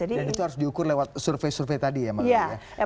itu harus diukur lewat survei survei tadi ya mas